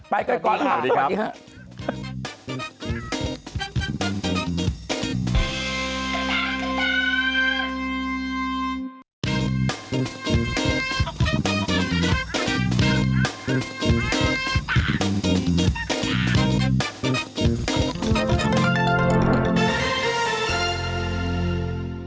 ไปกันก่อนสวัสดีครับ